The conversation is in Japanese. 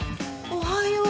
おはよう。